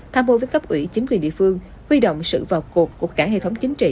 tham vô với cấp ủy chính quyền địa phương huy động sự vào cuộc của cả hệ thống chính trị